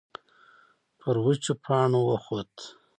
پر وچو پاڼو وخوت.